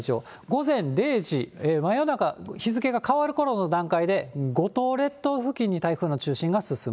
午前０時、真夜中、日付が変わるころの段階で、五島列島付近に台風の中心が進む。